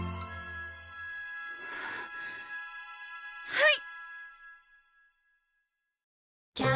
はい！